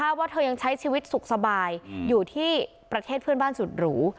เพราะว่าเธอยังใช้ชีวิตสุขสบายอยู่ที่ประเทศเพื่อนบ้านสุดหรู